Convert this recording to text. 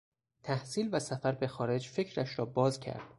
تحصیل و سفر به خارج فکرش را باز کرد.